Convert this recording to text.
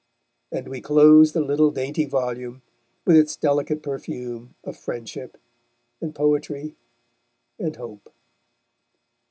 And we close the little dainty volume, with its delicate perfume of friendship and poetry and hope.